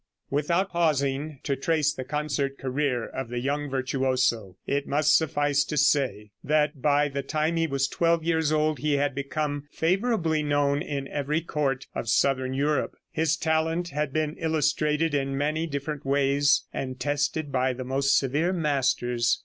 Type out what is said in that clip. ] Without pausing to trace the concert career of the young virtuoso it must suffice to say, that by the time he was twelve years old, he had become favorably known in every court of southern Europe. His talent had been illustrated in many different ways, and tested by the most severe masters.